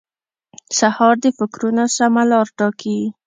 سهار د فکرونو سمه لار ټاکي.